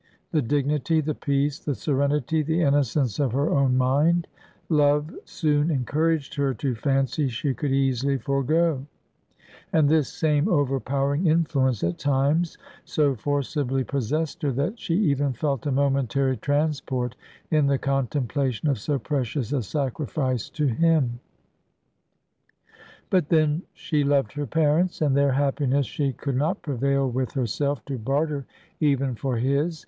The dignity, the peace, the serenity, the innocence of her own mind, love soon encouraged her to fancy she could easily forego; and this same overpowering influence at times so forcibly possessed her, that she even felt a momentary transport in the contemplation "of so precious a sacrifice to him." But then she loved her parents, and their happiness she could not prevail with herself to barter even for his.